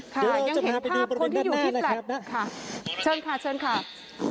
ครับยังจะมาไปดูบริเวณด้านหน้านะครับนะครับเชิญค่ะนะครับ